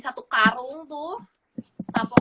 satu karung tuh sampah